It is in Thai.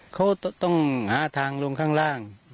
เขาต้องหาทางลงข้างล่าง